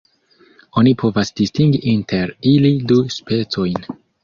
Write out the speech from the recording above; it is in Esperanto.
Oni povas distingi inter ili du specojn.